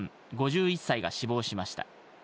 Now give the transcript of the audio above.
５１歳が死亡しました。